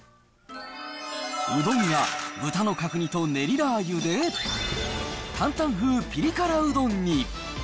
うどんが豚の角煮とねりラー油で、担々風ピリ辛うどんに。